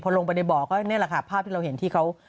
ลงไปในบ่อก็นี่แหละค่ะภาพที่เราเห็นที่เขา